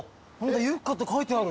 ユッカって書いてある。